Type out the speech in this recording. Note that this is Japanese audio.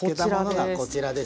こちらです。